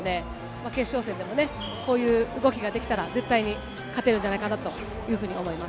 決勝戦でもこういう動きができたら絶対に勝てるんじゃないかなと思います。